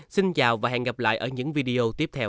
xin chào và hẹn gặp lại ở những video tiếp theo